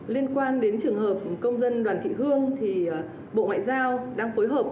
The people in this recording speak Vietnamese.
liên quan đến trường hợp công dân đoàn thị hương thì bộ ngoại giao đang phối hợp